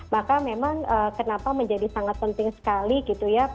maka memang kenapa menjadi sangat penting sekali gitu ya